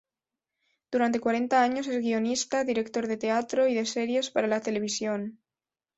Durante cuarenta años, es guionista, director de teatro y de series para la televisión.